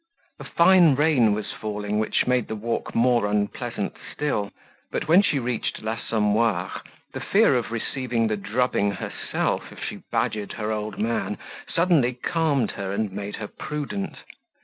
A fine rain was falling which made the walk more unpleasant still. But when she reached l'Assommoir, the fear of receiving the drubbing herself if she badgered her old man suddenly calmed her and made her prudent.